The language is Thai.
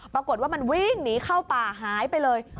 ปรากฏว่ามันวิ่งหนีเข้าป่าหายไปเลย